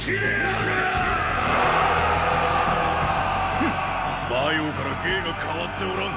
フン馬陽から芸が変わっておらん。